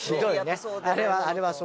あれはあれはそうだね。